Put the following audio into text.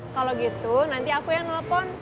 kalau gitu nanti aku yang nelfon